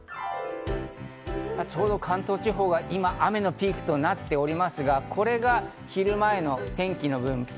ちょうど関東地方は今、雨のピークとなっておりますが、これが昼前の天気の分布。